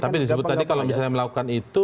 tapi disebut tadi kalau misalnya melakukan itu